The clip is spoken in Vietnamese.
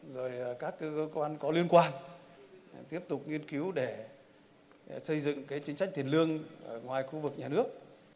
rồi các cơ quan có liên quan tiếp tục nghiên cứu để xây dựng cái chính sách tiền lương ngoài khu vực nhà nước